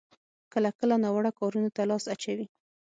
کله کله ناوړه کارونو ته لاس اچوي.